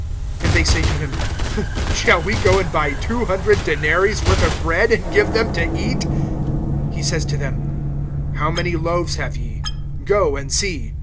And they say to him: Shall we go and buy two hundred denaries worth of bread, and give them to eat? (38)He says to them: How many loaves have ye? Go and see.